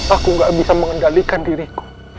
aku gak bisa mengendalikan diriku